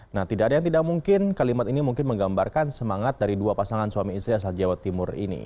nah tidak ada yang tidak mungkin kalimat ini mungkin menggambarkan semangat dari dua pasangan suami istri asal jawa timur ini